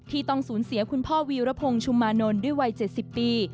ต้องสูญเสียคุณพ่อวีรพงศ์ชุมมานนท์ด้วยวัย๗๐ปี